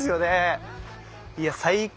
いや最高。